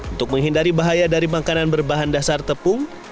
untuk menghindari bahaya dari makanan berbahan dasar tepung